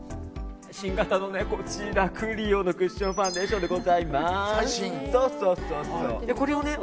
新型のクリオのクッションファンデーションでございます。